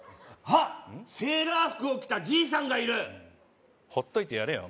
あセーラー服を着たじいさんがいるほっといてやれよ